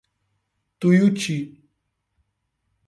Tuiuti